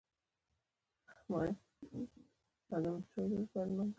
هغوی دغه راز د غوره زده کړو څخه برخمن وي.